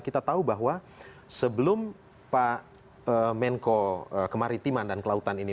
kita tahu bahwa sebelum pak menko kemaritiman dan kelautan ini